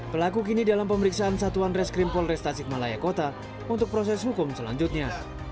pelaku kini dalam pemeriksaan satuan reskrim polres tasikmalaya kota untuk proses hukum selanjutnya